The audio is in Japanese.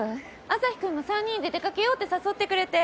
アサヒくんが３人で出かけようって誘ってくれて。